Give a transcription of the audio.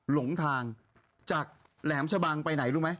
หลงทางจากแหลมชะบังไปไหนรู้ไหม